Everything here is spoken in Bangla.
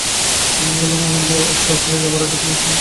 আমি বললুম, অমূল্য, আজ রাত্রে যাবার আগে তুমি এখান থেকে খেয়ে যেয়ো।